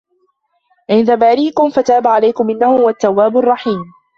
عِنْدَ بَارِئِكُمْ فَتَابَ عَلَيْكُمْ ۚ إِنَّهُ هُوَ التَّوَّابُ الرَّحِيمُ